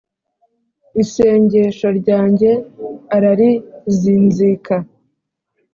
isengesho ryanjye ararizinzika.